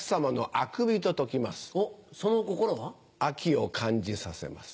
アキを感じさせます。